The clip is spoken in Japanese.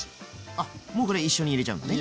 あっもうこれ一緒に入れちゃうのね。